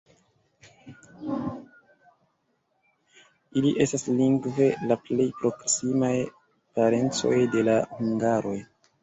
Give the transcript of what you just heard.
Ili estas lingve la plej proksimaj parencoj de la hungaroj.